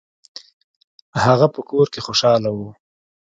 هغه په کور کې خوشحاله و.